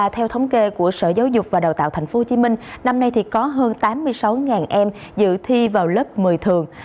theo thống kê của sở giáo dục và đào tạo thành phố hồ chí minh năm nay có hơn tám mươi sáu em dự thi vào lớp một mươi thường